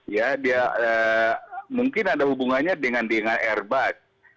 ya dia mungkin ada hubungannya dengan airbus